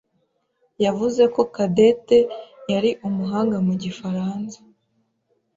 yavuze ko Cadette yari umuhanga mu gifaransa.